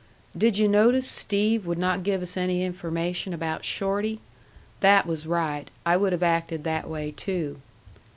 Did you notice Steve would not give us any information about Shorty? That was right. I would have acted that way, too."